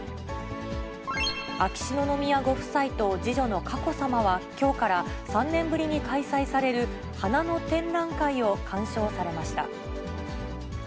秋篠宮ご夫妻と次女の佳子さまは、きょうから、３年ぶりに開催される花の展覧会を鑑賞されました。